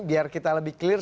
biar kita lebih clear